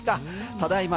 ただいま